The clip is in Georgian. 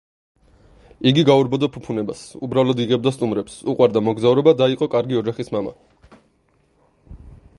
იგი გაურბოდა ფუფუნებას, უბრალოდ იღებდა სტუმრებს, უყვარდა მოგზაურობა და იყო კარგი ოჯახის მამა.